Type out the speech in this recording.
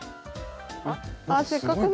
せっかくの。